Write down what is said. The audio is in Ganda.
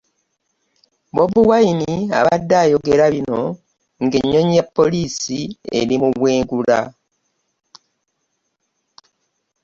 Bobi Wine abadde ayogera bino ng'ennyonyi ya poliisi eri mu bwengula